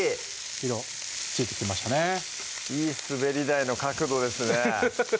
色ついてきましたねいい滑り台の角度ですねハハハ